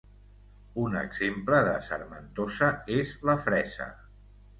Un exemple de sarmentosa és la fresa.